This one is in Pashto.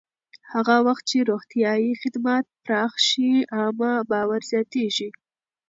هغه وخت چې روغتیایي خدمات پراخ شي، عامه باور زیاتېږي.